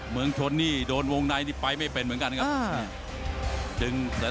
เมืองชนนี่โดนวงในนี่ไปไม่เป็นเหมือนกันครับ